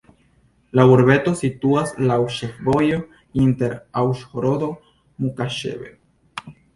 La urbeto situas laŭ ĉefvojo inter Uĵhorodo-Mukaĉeve.